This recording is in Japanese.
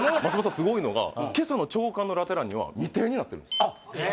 スゴいのが今朝の朝刊のラテ欄には未定になってるんですあっ！